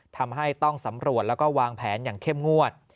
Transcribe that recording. ทำให้ต้องสำรวจแล้วก็วางแผนอย่างเข้มงวด